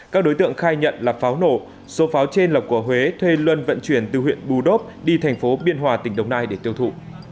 các đối tượng khai nhận là pháo nổ số pháo trên là của huế thuê luân vận chuyển từ huyện bù đốp đi thành phố biên hòa tỉnh đồng nai để tiêu thụ